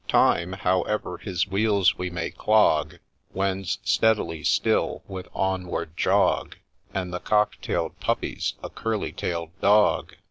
— Time, however his wheels we may clog, Wends steadily still with onward jog, And the cock tail'd puppy 's a curly tail'd dog